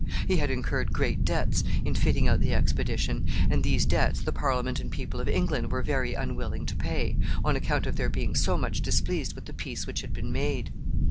He had incurred great debts in fitting out the expedition, and these debts the Parliament and people of England were very unwilling to pay, on account of their being so much displeased with the peace which had been made.